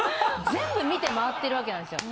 全部見て回ってるわけなんですよ。